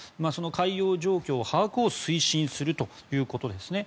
海洋状況把握を推進するということですね。